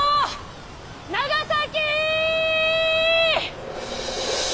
長崎！